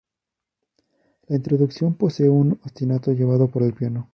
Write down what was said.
La introducción posee un ostinato llevado por el piano.